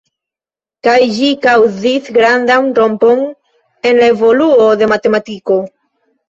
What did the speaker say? Kaj ĝi kaŭzis grandan rompon en la evoluo de matematiko.